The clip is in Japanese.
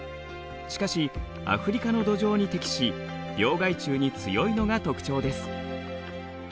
しかしアフリカの土壌に適し病害虫に強いのが特徴です。